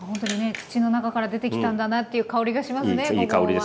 土の中から出てきたんだなという香りがしますね